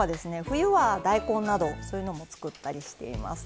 冬は大根などそういうのも作ったりしています。